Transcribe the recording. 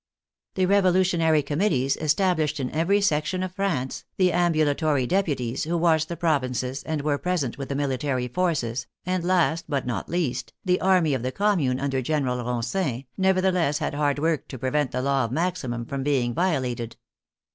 The revolutionary committees es tablished in every section of France, the ambulatory deputies who watched the provinces and were present with the military forces, and last, but not least, the army of the Commune under General Ronsin, nevertheless had hard work to prevent the law of maximum from being violated.